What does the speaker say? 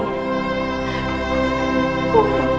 oh ya allah